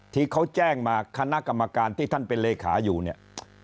ที่เขาแจ้งมาคณะกรรมการที่ท่านเป็นเลขาอยู่เนี่ย